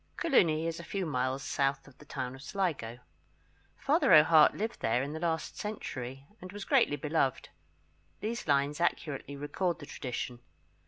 [Coloony is a few miles south of the town of Sligo. Father O'Hart lived there in the last century, and was greatly beloved. These lines accurately record the tradition.